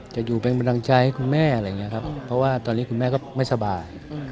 จะอยู่เป็นกำลังใจให้คุณแม่อะไรอย่างนี้ครับเพราะว่าตอนนี้คุณแม่ก็ไม่สบาย